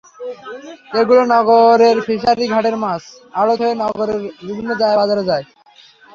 এগুলো নগরের ফিশারি ঘাটের মাছের আড়ত হয়ে নগরের বিভিন্ন বাজারে চলে যায়।